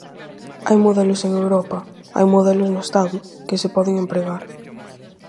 Hai modelos en Europa, hai modelos no Estado, que se poden empregar.